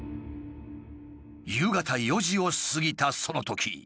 夕方４時を過ぎたそのとき。